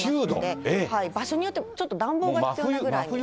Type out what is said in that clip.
場所によってはちょっと暖房が必要なぐらいに。